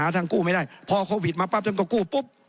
จะหาทางกู้ไม่ได้พอโควิดมาปั๊บจนก็กู้ปุ๊บ